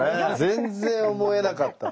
全然思えなかった。